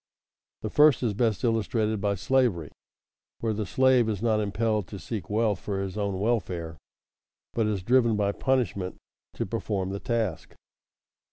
_ The first is best illustrated by slavery, where the slave is not impelled to seek wealth for his own welfare, but is driven by punishment to perform the task.